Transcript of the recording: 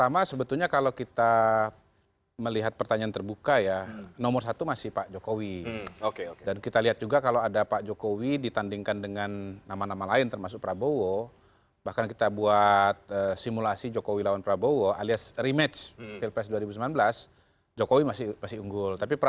maka prabowo juga masih unggul